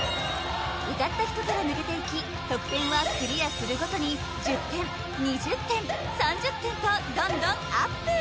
歌った人から抜けていき得点はクリアするごとに１０点２０点３０点とどんどんアップ